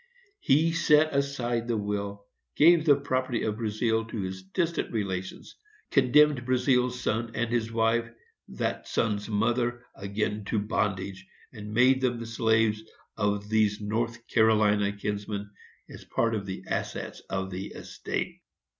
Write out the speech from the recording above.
He set aside the will, gave the property of Brazealle to his distant relations, condemned Brazealle's son, and his wife, that son's mother, again to bondage, and made them the slaves of these North Carolina kinsmen, as part of the assets of the estate.